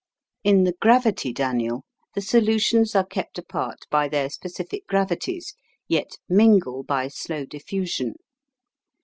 In the "gravity" Daniell the solutions are kept apart by their specific gravities, yet mingle by slow diffusion.